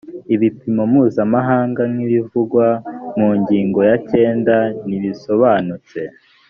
ibipimo mpuzamahanga nk’ ibivugwa mu ngingo ya cyenda ntibisobanutse.